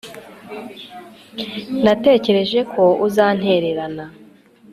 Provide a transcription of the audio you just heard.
Natekereje ko uzantererana